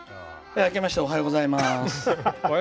あけましておはようございます。